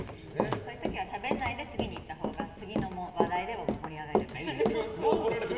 そういう時はしゃべらないで次に行ったほうが次の話題で盛り上がれるからいいよ。